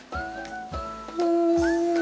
うん。